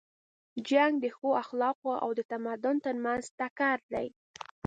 جنګ د ښو اخلاقو او د تمدن تر منځ ټکر دی.